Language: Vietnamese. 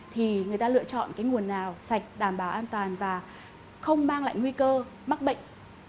thì người ta lựa chọn cái nguồn nào sạch đảm bảo an toàn và không mang lại nguy cơ mắc bệnh